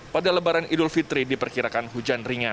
pada lebaran idul fitri diperkirakan hujan ringan